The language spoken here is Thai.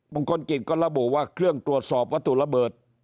มงคลกิจก็ระบุว่าเครื่องตรวจสอบวัตถุระเบิด